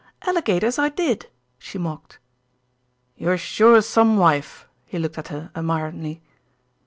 "Alligators, I did!" she mocked. "You're sure some wife;" he looked at her admiringly.